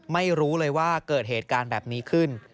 ไม่รู้เลยว่าเกิดเหตุการณ์แบบนี้ขึ้น